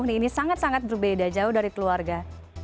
karena ini sangat sangat berbeda jauh dari keluarga